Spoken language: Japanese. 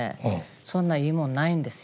そんないいもんないんですよ。